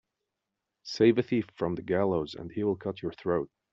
Save a thief from the gallows and he will cut your throat.